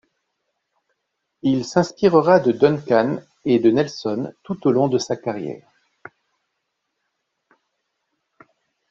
Il s'inspirera de Duncan et de Nelson tout au long de sa carrière.